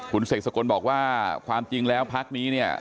คุณเสกสกลบอกว่าความจริงแล้วพักนี้เนี่ย